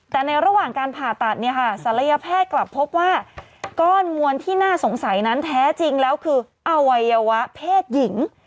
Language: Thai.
แต่ในระหว่างการผ่าตัดเนี่ยค่ะศัลยแพทย์กลับพบว่าก้อนมวลที่น่าสงสัยนั้นแท้จริงแล้วคืออวัยวะเพศหญิง